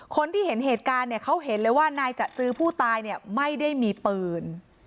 คนที่เห็นเหตุการณ์เนี่ยเขาเห็นเลยว่านายจะจือผู้ตายเนี่ยไม่ได้มีปืน